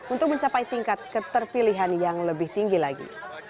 untuk mencapai tingkat keterpilihan yang lebih tinggi lagi